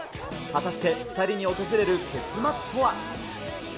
果たして２人に訪れる結末とは。